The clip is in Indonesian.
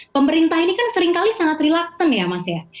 pemerintah ini kan seringkali sangat reluctant ya mas ya